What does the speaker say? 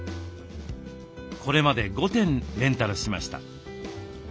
これまで５点レンタルしました。